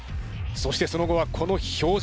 そしてその後はこの表情。